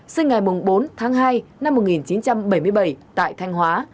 sinh ngày bốn tháng hai năm một nghìn chín trăm bảy mươi bảy tại thanh hóa